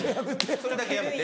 それだけやめて。